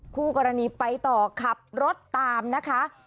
คู่กรณีไปต่อขับรถตามนะคะ